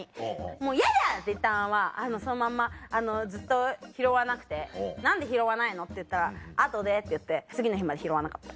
「もうヤダ！」って言ったままそのまんまずっと拾わなくて「何で拾わないの？」って言ったら「後で」って言って次の日まで拾わなかった。